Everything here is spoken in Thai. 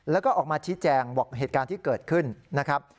แล้วก็ออกมาชี้แจงบอกเหตุการณ์ที่เกิดขึ้นนะครับ